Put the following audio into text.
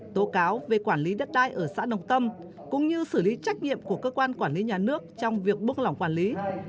tố cáo về quản lý đất đai ở xã đồng tâm cũng như xử lý trách nhiệm của cơ quan quản lý nhà nước trong việc buông lỏng quản lý